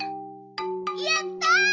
やった！